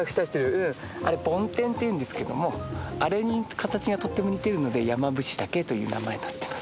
うんあれ梵天っていうんですけどもあれに形がとっても似てるのでヤマブシタケという名前になってます。